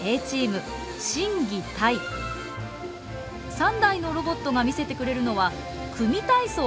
３台のロボットが見せてくれるのは組体操。